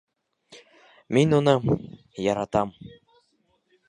Мин уны... яратам.